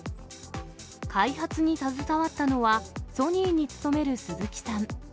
開発に携わったのは、ソニーに勤める鈴木さん。